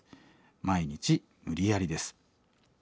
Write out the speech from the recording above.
毎日無理やりです。